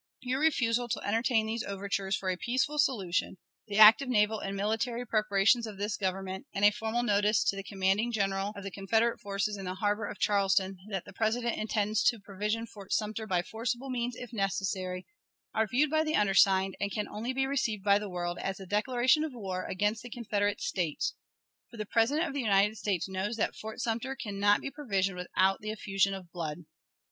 Your refusal to entertain these overtures for a peaceful solution, the active naval and military preparations of this Government, and a formal notice to the commanding General of the Confederate forces in the harbor of Charleston that the President intends to provision Fort Sumter by forcible means, if necessary, are viewed by the undersigned, and can only be received by the world, as a declaration of war against the Confederate States; for the President of the United States knows that Fort Sumter can not be provisioned without the effusion of blood.